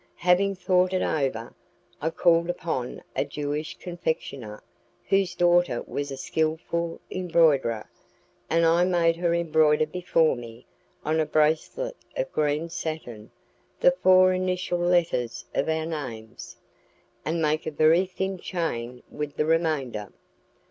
Having thought it over, I called upon a Jewish confectioner whose daughter was a skilful embroiderer, and I made her embroider before me, on a bracelet of green satin, the four initial letters of our names, and make a very thin chain with the remainder.